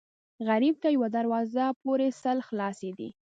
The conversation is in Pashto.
غریب ته یوه دروازه پورې سل خلاصې دي